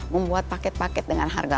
membuat paket paket dengan harga